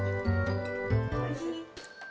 おいしい？